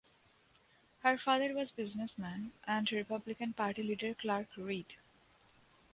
Her father was businessman and republican party leader Clarke Reed.